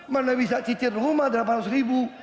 mana bisa cicir rumah delapan ratus ribu